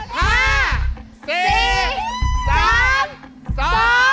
หมดเวลา